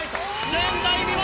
前代未聞！